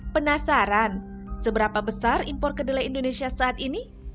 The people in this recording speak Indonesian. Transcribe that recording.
penasaran seberapa besar impor kedelai indonesia saat ini